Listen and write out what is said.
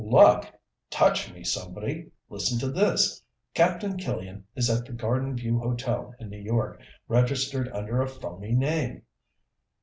"Luck? Touch me, somebody. Listen to this: Captain Killian is at the Garden View Hotel in New York, registered under a phony name!"